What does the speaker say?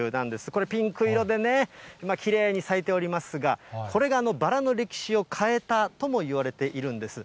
これ、ピンク色でね、きれいに咲いておりますが、これがバラの歴史を変えたともいわれているんです。